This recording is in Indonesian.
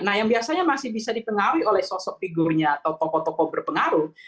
nah yang biasanya masih bisa dipengaruhi oleh sosok figurnya atau tokoh tokoh berpengaruh